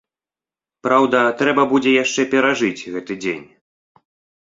Праўда, трэба будзе яшчэ перажыць гэты дзень.